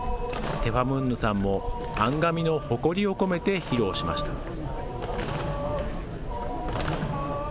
テファムンヌさんも、アンガミの誇りを込めて披露しました。